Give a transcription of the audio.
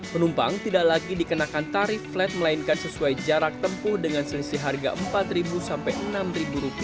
penumpang tidak lagi dikenakan tarif flat melainkan sesuai jarak tempuh dengan selisih harga rp empat sampai rp enam